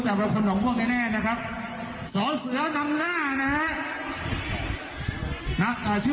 ท่านพ่อกวายนำหน้านะครับนางฝุ่งญาคำดวงครับผม